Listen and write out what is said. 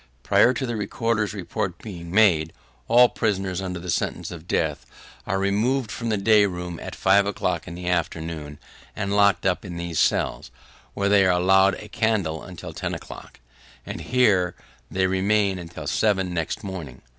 Prior to the recorder's report being made, all the prisoners under sentence of death are removed from the day room at five o'clock in the afternoon, and locked up in these cells, where they are allowed a candle until ten o'clock; and here they remain until seven next morning.